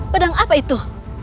pedang apa itu